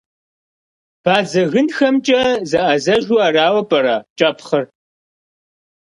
Бадзэгынхэмкӏэ зэӏэзэжу арауэ пӏэрэ кӏэпхъыр?